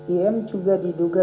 im juga diduga